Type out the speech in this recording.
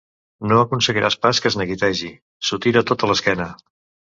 No aconseguiràs pas que es neguitegi: s'ho tira tot a l'esquena.